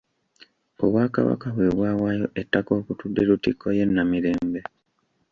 Obwakabaka bwe bwawaayo ettaka okutudde Lutikko y'e Namirembe.